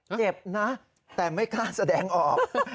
เจ็บนะแต่ไม่กล้าแสดงออก